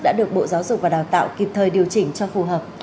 đã được bộ giáo dục và đào tạo kịp thời điều chỉnh cho phù hợp